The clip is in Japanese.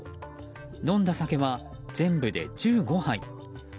飲んだ酒は全部で１５杯。